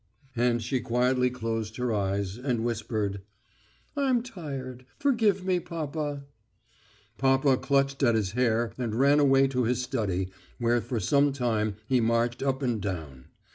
And she quietly closed her eyes and whispered: "I'm tired.... Forgive me, papa...." Papa clutched at his hair and ran away to his study, where for some time he marched up and down.